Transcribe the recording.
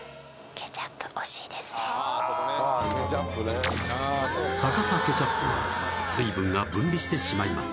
ケチャップね逆さケチャップは水分が分離してしまいます